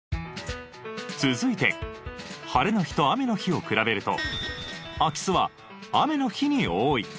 続いて晴れの日と雨の日を比べると空き巣は雨の日に多い。